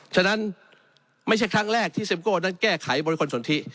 ฉะนั้นไม่ใช่ครั้งแรกที่เซ็มโก้นั้นแก้ไขบริคลสนทิ